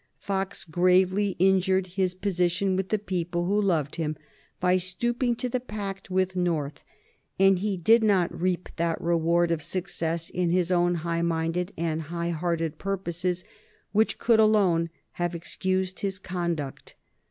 Fox gravely injured his position with the people who loved him by stooping to the pact with North, and he did not reap that reward of success in his own high minded and high hearted purposes which could alone have excused his conduct.